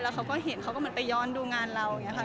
เขาก็เห็นเขาก็เหมือนไปย้อนดูงานเราอย่างนี้ค่ะ